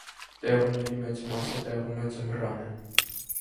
Տեղումների մեծ մասը տեղում է ձմռանը։